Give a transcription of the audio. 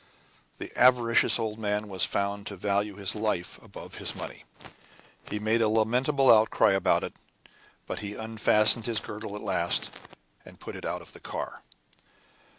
The avaricious old man was found to value his life above his money; he made a lamentable outcry about it, but he unfastened his girdle at last, and put it out of the car.